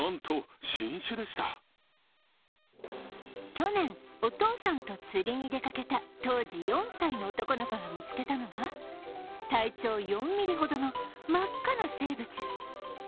去年、お父さんと釣りに出かけた当時４歳の男の子が見つけたのは体長４ｍｍほどの真っ赤な生物。